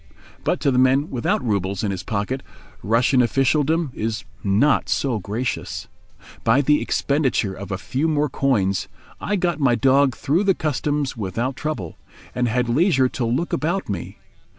But to the man without roubles in his pocket, Russian officialdom is not so gracious. By the expenditure of a few more coins I got my dog through the Customs without trouble, and had leisure to look about me.